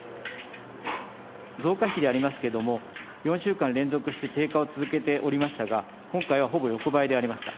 増加比でありますけども、４週間連続して低下を続けておりましたが、今回はほぼ横ばいでありました。